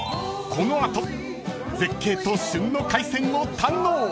［この後絶景と旬の海鮮を堪能！